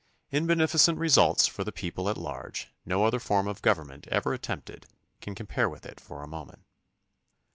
In beneficent results for the people at large no other form of government ever attempted can compare with it for a moment.